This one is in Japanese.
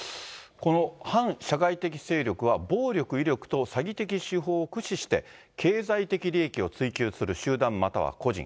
この反社会的勢力は、暴力、威力と詐欺的手法を駆使して、経済的利益を追求する集団または個人。